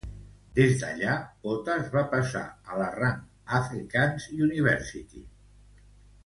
Des d'allà, Pothas va passar a la Rand Afrikaans University.